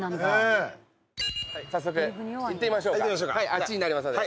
あっちになりますので。